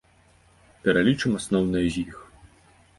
Пералічым асноўныя з іх.